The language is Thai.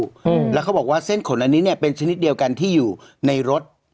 อืมแล้วเขาบอกว่าเส้นขนอันนี้เนี้ยเป็นชนิดเดียวกันที่อยู่ในรถ